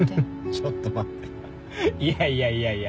ちょっと待っていやいやいや。